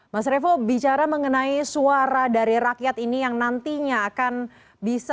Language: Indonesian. mas revo bicara mengenai suara dari rakyat ini yang nantinya akan bisa